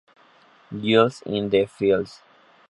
Giles in the Fields.